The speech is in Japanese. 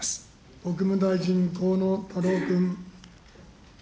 国務大臣、河野太郎君。